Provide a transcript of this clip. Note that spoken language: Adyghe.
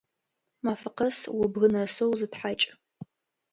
Мафэ къэс убгы нэсэу зытхьакӏ!